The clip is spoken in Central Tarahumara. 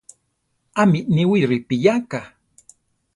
¿Ámi niwi ripiyáka?